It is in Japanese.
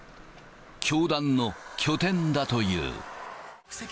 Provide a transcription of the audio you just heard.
教団の拠点だという。